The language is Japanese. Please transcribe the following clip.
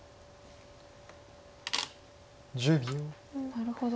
なるほど。